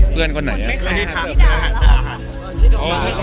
เพื่อนคนไหนครับ